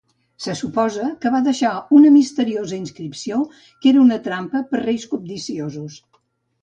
Se suposa que va deixar una misteriosa inscripció que era una trampa per reis cobdiciosos.